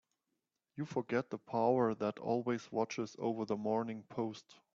You forget the power that always watches over the Morning Post.